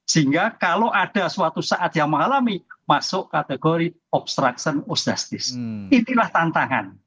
sehingga kalau ada suatu saat yang mengalami masuk kategori obstruction of justice inilah tantangan